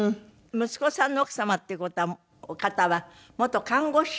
息子さんの奥様っていうお方は元看護師。